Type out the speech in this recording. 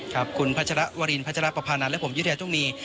ขอบคุณพัชรวรีนพัชรประพานัและผมยุธยาตุงมี